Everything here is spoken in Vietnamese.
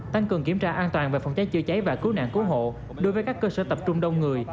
tăng cường kiểm tra an toàn về phòng cháy chữa cháy và cứu nạn cứu hộ đối với các cơ sở tập trung đông người